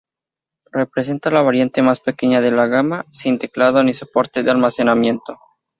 Representa la variante más pequeña de la gama, sin teclado ni soporte de almacenamiento.